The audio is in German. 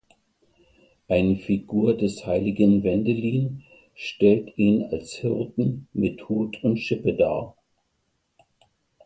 Eine Figur des heiligen Wendelin stellt ihn als Hirten mit Hut und Schippe dar.